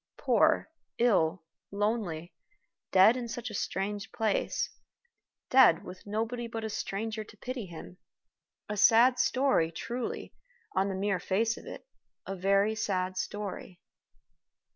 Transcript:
Poor, ill, lonely dead in a strange place dead, with nobody but a stranger to pity him. A sad story; truly, on the mere face of it, a very sad story.